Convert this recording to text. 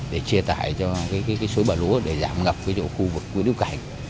để chia tải cho cái suối bà lúa để giảm ngập cái chỗ khu vực nguyễn đức cảnh